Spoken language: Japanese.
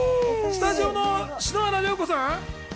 スタジオの篠原涼子さん？